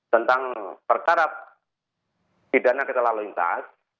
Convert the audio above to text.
tentang perkara pidana keterlaluan intas